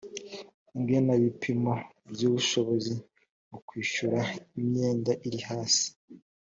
igenabipimo by’ ubushobozi mu kwishyura imyenda iri hasi